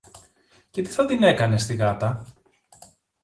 Και τι θα την έκανες τη γάτα;